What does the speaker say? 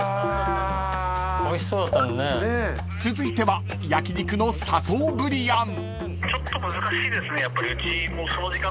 ［続いては焼き肉のＳＡＴＯブリアン］